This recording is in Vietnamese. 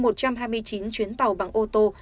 một trăm hai mươi chín chuyến tàu bằng ô tô